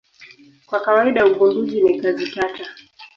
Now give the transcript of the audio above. Kwa kawaida ugunduzi ni kazi tata.